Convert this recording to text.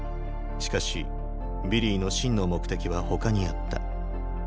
しかしヴィリーの真の目的は他にあった。